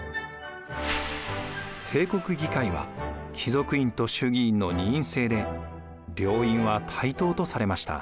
帝国議会は貴族院と衆議院の二院制で両院は対等とされました。